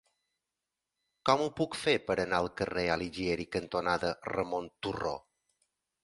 Com ho puc fer per anar al carrer Alighieri cantonada Ramon Turró?